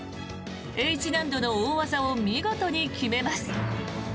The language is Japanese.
Ｈ難度の大技を見事に決めます。